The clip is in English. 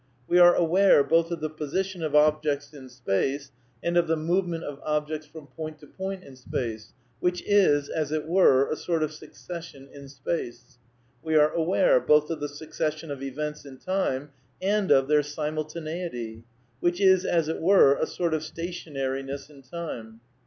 We are aware, both of the position of objects in space and of the movement of objects from point to point in space, which is as it were a sort of succession in space. We are aware, both of the succession of events in time and of their simultaneity, which is as it were a sort of stationariness in time.